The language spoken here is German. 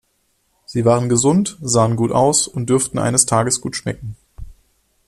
Sie waren gesund, sahen gut aus und dürften eines Tages gut schmecken.